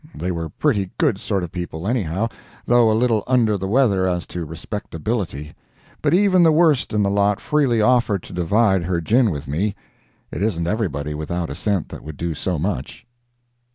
They were pretty good sort of people, anyhow, though a little under the weather as to respectability. But even the worst in the lot freely offered to divide her gin with me. It isn't everybody without a cent that would do so much.